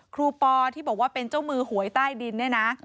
ครูปอล์ที่บอกว่าเป็นเจ้ามือหวยใต้ดิน